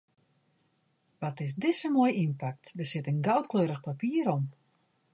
Wat is dizze moai ynpakt, der sit in goudkleurich papier om.